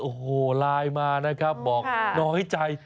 โอ้โหไลน์มานะครับบอกน้อยใจ